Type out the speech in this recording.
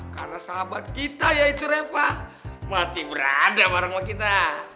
karena sahabat kita yaitu reva masih berada bareng kita